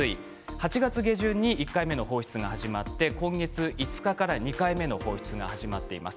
８月下旬に１回目の放出が始まって今月５日から２回目の放出が始まっています。